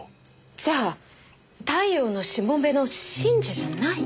じゃあ太陽のしもべの信者じゃない。